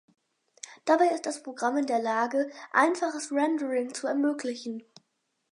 Dabei ist das Programm in der Lage, einfaches Rendering zu ermöglichen.